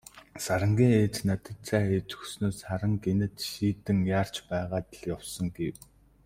Сарангийн ээж надад цай хийж өгснөө "Саран гэнэт шийдэн яарч байгаад л явсан" гэв.